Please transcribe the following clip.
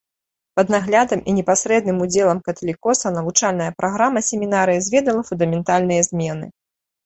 Пад наглядам і непасрэдным удзелам каталікоса навучальная праграма семінарыі зведала фундаментальныя змены.